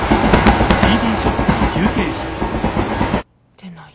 出ないや。